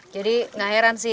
jadi gak heran sih